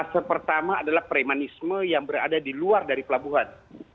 fase pertama adalah premanisme yang berada di luar dari pelabuhan